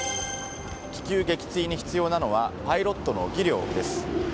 気球撃墜に必要なのはパイロットの技量です。